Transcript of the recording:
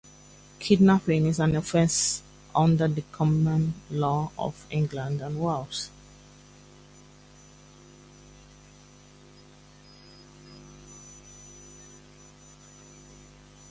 Kidnapping is an offence under the common law of England and Wales.